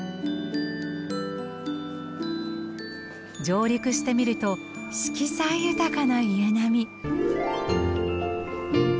上陸してみると色彩豊かな家並み。